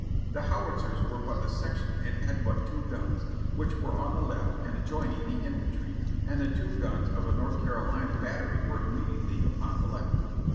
"The Howitzers were but a section, and had but two guns, which were on the left and adjoining the infantry, and the two guns of a North Carolina battery were immediately upon the left.